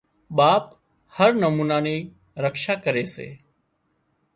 ٻاپ هر نمونا نِي رڪشا ڪري سي